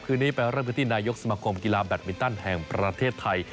คืนนี้ไปเริ่มกันที่นายกสมคมกีฬาแบตมินตันแห่งประเทศไทย